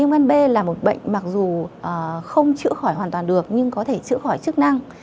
đây là một bệnh mặc dù không chữa khỏi hoàn toàn được nhưng có thể chữa khỏi chức năng